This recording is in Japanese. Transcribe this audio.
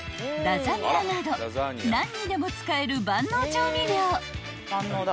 ［何にでも使える万能調味料］